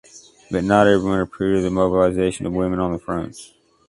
But not everyone approved of the mobilization of women on the fronts.